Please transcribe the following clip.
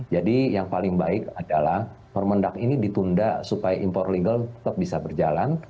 jadi yang paling baik adalah permendag ini ditunda supaya impor legal tetap bisa berjalan